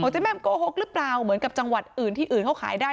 เจ๊แม่มโกหกหรือเปล่าเหมือนกับจังหวัดอื่นที่อื่นเขาขายได้